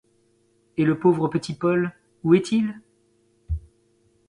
Et le pauvre petit Paul où est-il ?